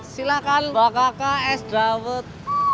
silakan pak kk es dawet